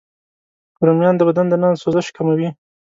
رومیان د بدن دننه سوزش کموي